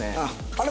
あれ？